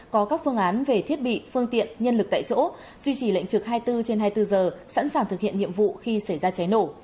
có các phương án về thiết bị phương tiện nhân lực tại chỗ duy trì lệnh trực hai mươi bốn trên hai mươi bốn giờ sẵn sàng thực hiện nhiệm vụ khi xảy ra cháy nổ